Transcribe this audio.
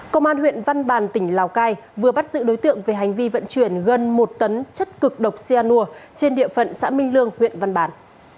công an huyện văn bàn tỉnh lào cai vừa bắt giữ đối tượng về hành vi vận chuyển gần một tấn chất cực độc cyanur trên địa phận xã minh lương huyện văn bàn